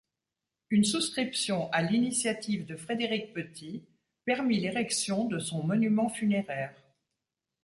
Une souscription à l'initiative de Frédéric Petit permit l'érection de son monument funéraire.